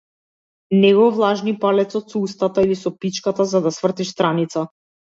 Не го влажни палецот со устата или со пичката за да свртиш страница.